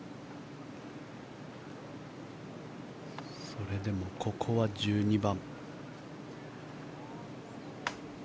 それでもここは１２番。